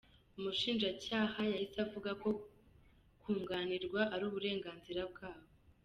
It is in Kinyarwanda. Umushinjacyaha yahise avuga ko kunganirwa ari uburenganzira bwabo.